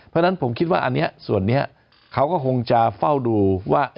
เพราะฉะนั้นผมคิดว่าอันนี้ส่วนนี้เขาก็คงจะเฝ้าดูว่า